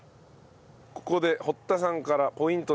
ここで堀田さんからポイントです。